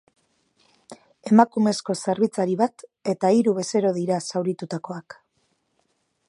Emakumezko zerbitzari bat eta hiru bezero dira zauritutakoak.